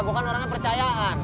gua kan orangnya percayaan